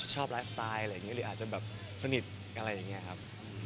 ชอบไลฟ์สไตล์หรืออาจจะสนิทกันอะไรอย่างนี้ครับ